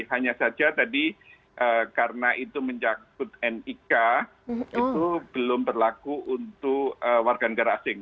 hanya saja tadi karena itu mencakup nik itu belum berlaku untuk warga negara asing